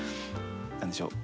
何でしょう。